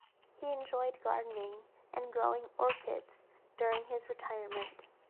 He enjoyed gardening and growing orchids during his retirement.